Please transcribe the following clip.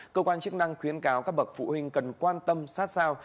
cơ quan chức năng khuyến cáo các bậc phụ huynh cần quan tâm sát sao